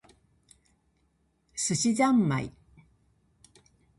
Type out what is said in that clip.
寿司ざんまい